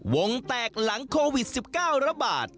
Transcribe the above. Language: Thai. วงแตกหลังโควิด๑๙ระบาด